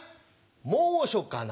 猛暑かな